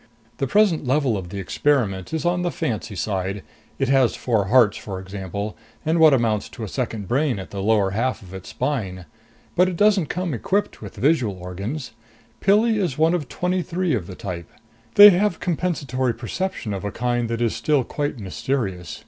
The present level of the experiment is on the fancy side it has four hearts, for example, and what amounts to a second brain at the lower half of its spine. But it doesn't come equipped with visual organs. Pilli is one of twenty three of the type. They have compensatory perception of a kind that is still quite mysterious.